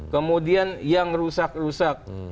kemudian yang rusak rusak